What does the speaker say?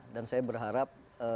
dan saya berharap